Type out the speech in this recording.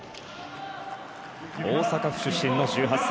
大阪府出身の１８歳。